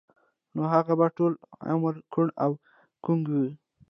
نو هغه به ټول عمر کوڼ او ګونګی و.